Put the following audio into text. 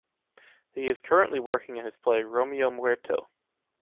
He is currently working in his play ‘Romeo Muerto’.